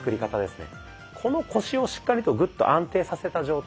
この腰をしっかりとグッと安定させた状態